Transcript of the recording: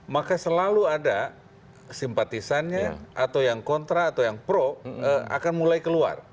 maka selalu ada simpatisannya atau yang kontra atau yang pro akan mulai keluar